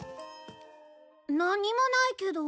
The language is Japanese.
何もないけど。